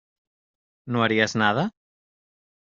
¿ no harías nada?